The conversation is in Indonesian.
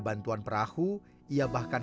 jadi nggak bisa ajob tiga ratus lima puluh dolar